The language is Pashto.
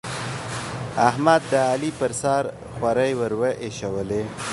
احمد، د علي پر سر خورۍ ور واېشولې.